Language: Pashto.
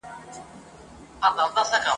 پېغلي او مېرمني په جګړه کي برخه اخلي.